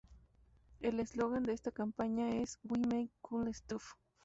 El eslogan de esta compañía es "We make cool stuff".